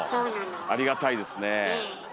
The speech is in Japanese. ありがたいですね。